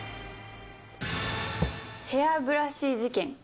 ヘアブラシ事件。